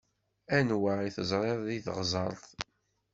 Anwa i teẓṛiḍ deg teɣseṛt?